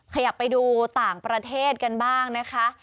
ขยับไปดูต่างประเทศกันบ้างนะคะ